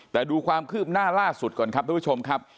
แต่ดูความคืบหน้าล่าสุดก่อนครับทุกผู้ชมครับ